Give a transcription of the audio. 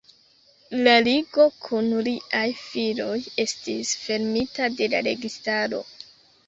La Ligo kun liaj filoj estis fermita de la registaro.